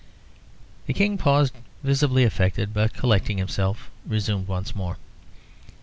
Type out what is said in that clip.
The King paused, visibly affected, but collecting himself, resumed once more.